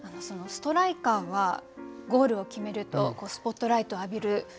そのストライカーはゴールを決めるとスポットライトを浴びる。